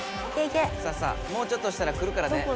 さあさあもうちょっとしたらくるからね。